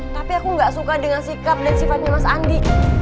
tapi aku gak suka dengan sikap dan sifatnya mas andi